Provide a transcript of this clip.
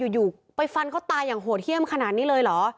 อยู่ไปฟันเขาตายอย่างโหดเยี่ยมขนาดนี้เลยเหรอ